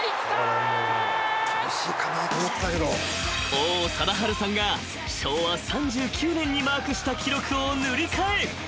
［王貞治さんが昭和３９年にマークした記録を塗り替え］